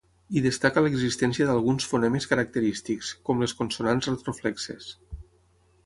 Hi destaca l'existència d'alguns fonemes característics, com les consonants retroflexes.